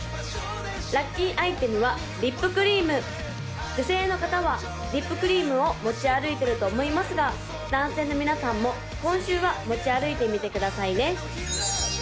・ラッキーアイテムはリップクリーム女性の方はリップクリームを持ち歩いてると思いますが男性の皆さんも今週は持ち歩いてみてくださいね